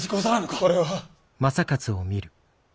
これは。